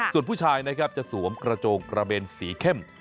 ส่วนผู้ชายนะครับจะสวมกระโจงกระเบนสีเข้ม